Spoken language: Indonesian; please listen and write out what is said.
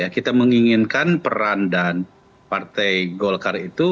kita menginginkan peran dan partai golkar itu